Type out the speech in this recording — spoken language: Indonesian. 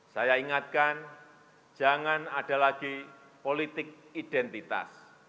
saya ingatkan jangan ada lagi politik identitas